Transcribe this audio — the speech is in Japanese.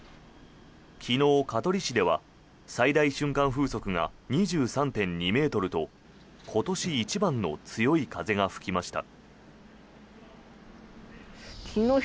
昨日、香取市では最大瞬間風速が２３．２ｍと今年一番の強い風が吹きました。